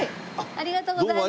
ありがとうございます！